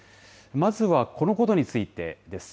まずはこのことについてです。